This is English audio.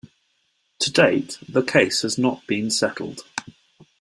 To date the case has not been settled.